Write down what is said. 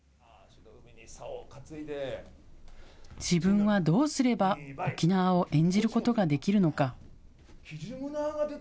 自分はどうすれば沖縄を演じることができるのか。